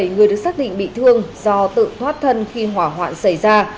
một mươi bảy người được xác định bị thương do tự thoát thân khi hỏa hoạn xảy ra